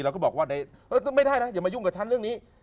แล้วก็บอกว่าไม่ได้นะอย่ามายุ่งกับฉันเรื่องนี้